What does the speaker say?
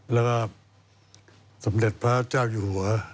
แล้วก็สำเร็จพระเจ้าอย่างหัว